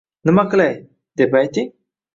Nima qilay?” deb ayting.